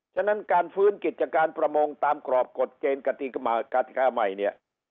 ฉะนั้นการฟื้นกิจการประมงตามกรอบกฎเกณฑ์กติกาใหม่เนี่ย